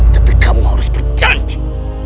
tapi kamu harus berjanji